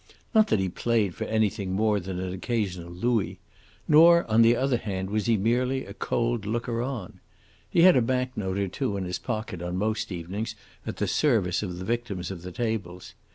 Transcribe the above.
Not that he played for anything more than an occasional louis; nor, on the other hand, was he merely a cold looker on. He had a bank note or two in his pocket on most evenings at the service of the victims of the tables.